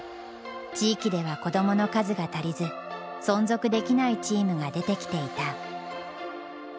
地域では子どもの数が足りず存続できないチームが出てきていた。